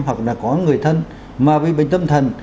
hoặc là có người thân mà bị bệnh tâm thần